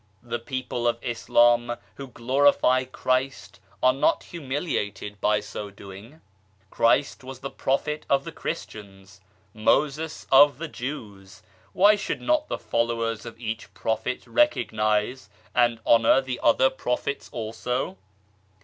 The people of Islam who glorify Christ are not humiliated by so doing. Christ was the Prophet of the Christians, Moses of the Jews why should not the followers of each prophet recognize and honour the other prophets also